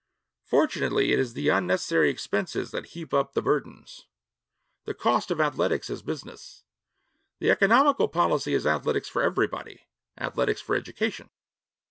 Fortunately, it is the unnecessary expenses that heap up the burdens the cost of athletics as business. The economical policy is athletics for everybody athletics for education.